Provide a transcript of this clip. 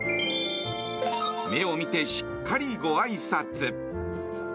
目を見てしっかりごあいさつ。